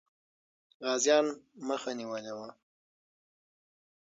غازيان مخه نیولې وه.